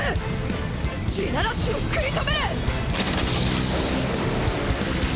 「地鳴らし」を食い止める！！